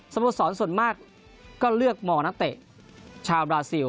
โมสรส่วนมากก็เลือกมองนักเตะชาวบราซิล